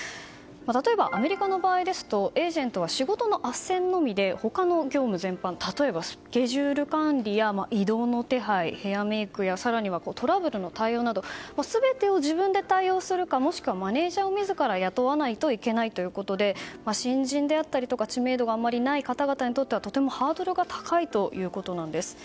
例えばアメリカの場合ですとエージェントは仕事の斡旋のみで他の業務全般例えばスケジュール管理や移動の手配、ヘアメイクや更にはトラブルの対応など全てを自分で対応するかもしくはマネジャーを自ら雇わないといけないであったり新人であったりとか知名度があんまりない方々にとってはハードルが高いということなんです。